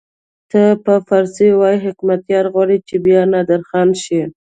ده په فارسي وویل حکمتیار غواړي چې بیا نادرخان شي.